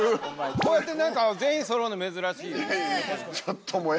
こうやってなんか全員そろうの珍しいよね。